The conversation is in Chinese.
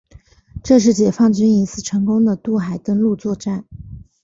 这是解放军一次成功的渡海登陆作战。